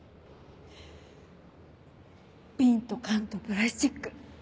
ビンと缶とプラスチック。